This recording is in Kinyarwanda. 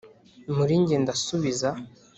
muri njye ndasubiza